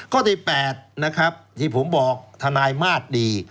ข้อที่๘นะครับที่ผมบอกทนายมาสดี